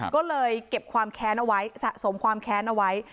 ก็เลยเก็บความแค้นเอาไว้สะสมความแค้นเอาไว้